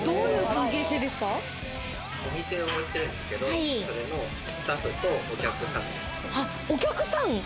お店やってるんですけど、それのスタッフとお客さん。